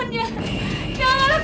raz jangan raz